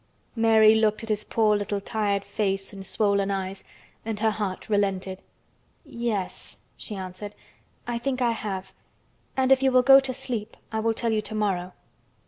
Mary looked at his poor little tired face and swollen eyes and her heart relented. "Ye es," she answered, "I think I have. And if you will go to sleep I will tell you tomorrow."